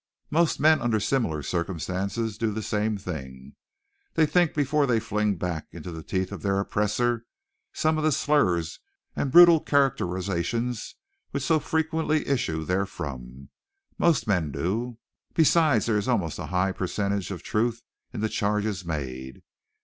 Most men under similar circumstances do the same thing. They think before they fling back into the teeth of their oppressors some of the slurs and brutal characterizations which so frequently issue therefrom. Most men do. Besides there is almost always a high percentage of truth in the charges made.